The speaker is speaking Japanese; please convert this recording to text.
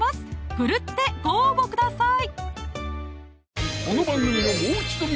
奮ってご応募ください